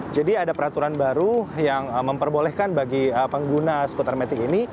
jadi ada peraturan baru yang memperbolehkan bagi pengguna scootermatic ini